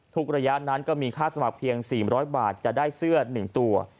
ระยะนั้นก็มีค่าสมัครเพียง๔๐๐บาทจะได้เสื้อ๑ตัว